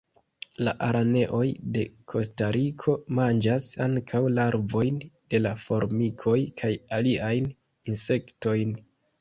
La araneoj de Kostariko manĝas ankaŭ larvojn de la formikoj, kaj aliajn insektojn.